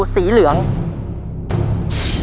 และตัวเลือกที่สี่สีชมพันธ์